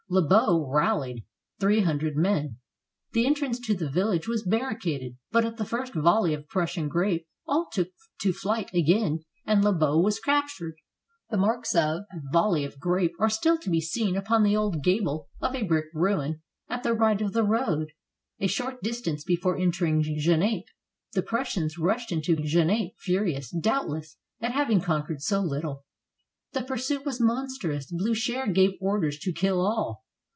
Lobau rallied three hundred men. The entrance to the village was barricaded, but at the first volley of Prussian grape all took to flight again and Lobau was captured. The marks of that volley of grape are still to be seen upon the old gable of a brick ruin at the right of the road, a short distance before entering Genappe. The Prussians rushed into Genappe, furious, doubtless, at having conquered so little. The pursuit was monstrous. Bliicher gave orders to kill all.